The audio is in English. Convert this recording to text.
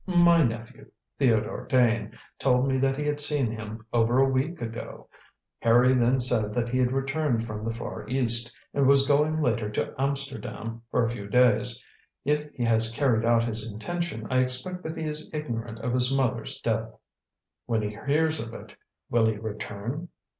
My nephew, Theodore Dane, told me that he had seen him over a week ago. Harry then said that he had returned from the Far East, and was going later to Amsterdam for a few days. If he has carried out his intention I expect that he is ignorant of his mother's death." "When he hears of it will he return?"